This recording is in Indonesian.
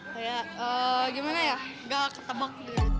kayak gimana ya nggak ketembok